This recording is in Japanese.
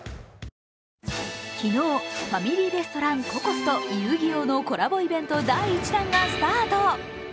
昨日、ファミリーレストラン、ココスと「遊☆戯☆王」のコラボイベント第１弾がスタート。